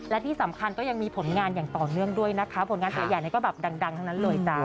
และที่สำคัญก็ยังมีผลงานอย่างต่อเนื่องด้วยนะคะผลงานตัวใหญ่ก็แบบดังทั้งนั้นเลยจ้า